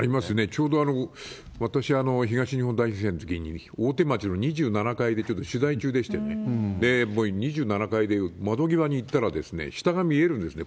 ちょうど私、東日本大震災のときに、大手町の２７階でちょっと取材中でしてね、２７階で窓際に行ったら、下が見えるんですね。